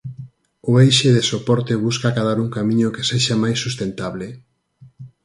O eixe de soporte busca acadar un camiño que sexa máis sustentable.